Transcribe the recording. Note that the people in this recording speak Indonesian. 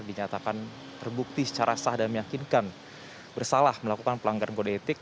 dinyatakan terbukti secara sah dan meyakinkan bersalah melakukan pelanggaran kode etik